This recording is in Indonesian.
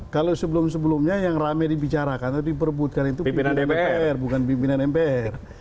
kalau sebelum sebelumnya yang rame dibicarakan atau diperbutkan itu pimpinan mpr bukan pimpinan mpr